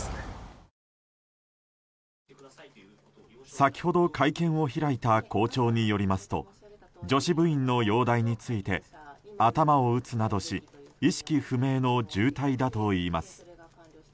先ほど会見を開いた校長によりますと女子部員の容体について頭を打つなどし意識不明の重体だといいます。